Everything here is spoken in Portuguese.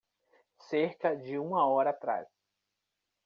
Cerca de uma hora atrás.